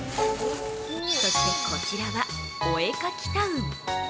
そしてこちらは、お絵かきタウン。